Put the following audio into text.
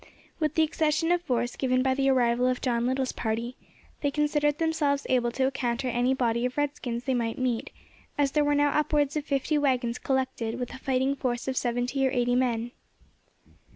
With the accession of force given by the arrival of John Little's party, they considered themselves able to encounter any body of redskins they might meet, as there were now upwards of fifty waggons collected, with a fighting force of seventy or eighty men.